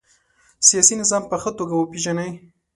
سیاسي نظام په ښه توګه وپيژنئ.